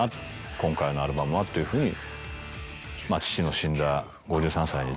今回のアルバムはというふうに。